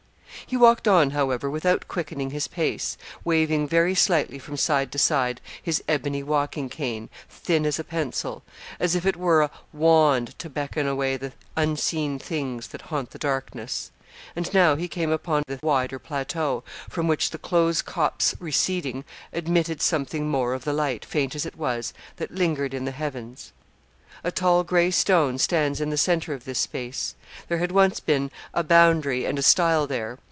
He walked on, however, without quickening his pace, waving very slightly from side to side his ebony walking cane thin as a pencil as if it were a wand to beckon away the unseen things that haunt the darkness; and now he came upon the wider plateau, from which, the close copse receding, admitted something more of the light, faint as it was, that lingered in the heavens. A tall gray stone stands in the centre of this space. There had once been a boundary and a stile there.